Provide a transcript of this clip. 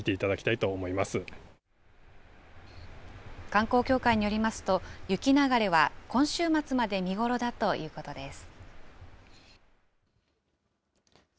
観光協会によりますと、雪流れは今週末まで見頃だということです。